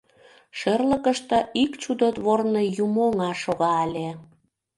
Шӧрлыкыштӧ ик «чудотворный» юмоҥа шога ыле...